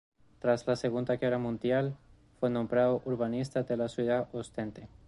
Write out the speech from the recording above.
Tras la Segunda Guerra Mundial fue nombrado urbanista de la ciudad de Ostende.